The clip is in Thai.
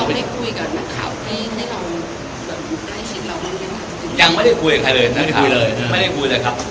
ยังไม่ได้คุยใครเลยไม่ได้คุยเลยไม่ได้คุยเลยนะครับ